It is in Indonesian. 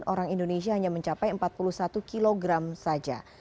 orang indonesia hanya mencapai empat puluh satu kilogram saja